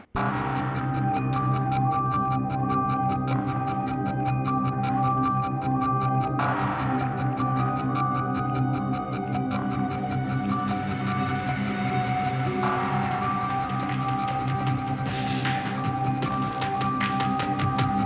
ไม่เอาให้